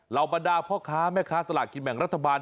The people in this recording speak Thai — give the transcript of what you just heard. บรรดาพ่อค้าแม่ค้าสลากกินแบ่งรัฐบาล